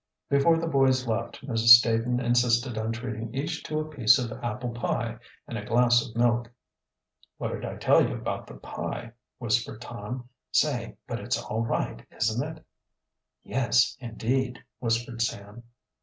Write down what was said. Before the boys left Mrs. Staton insisted on treating each to a piece of apple pie and a glass of milk. "What did I tell you about pie?" whispered Tom. "Say, but it's all right, isn't it?" "Yes, indeed!" whispered Sam.